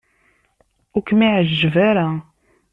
Ur kem-iɛejjeb ara.